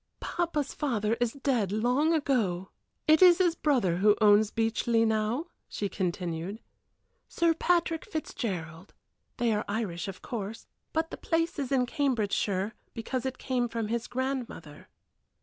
"Papa's father is dead long ago; it is his brother who owns Beechleigh now," she continued "Sir Patrick Fitzgerald. They are Irish, of course, but the place is in Cambridgeshire, because it came from his grandmother."